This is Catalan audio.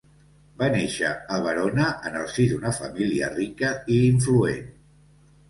Va néixer a Verona en el si d'una família rica i influent.